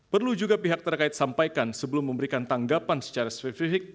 perlu juga pihak terkait sampaikan sebelum memberikan tanggapan secara spesifik